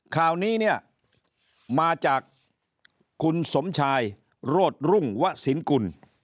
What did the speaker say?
ข่าวนี้เนี่ยมาจากคุณสมชายโรธรุ่งวะสินกุล